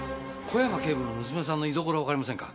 小山警部の娘さんの居所わかりませんか？